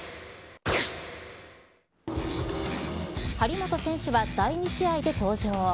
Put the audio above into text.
張本選手は第２試合で登場。